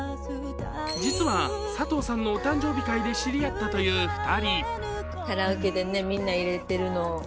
実は、佐藤さんのお誕生日会で知り合ったという２人。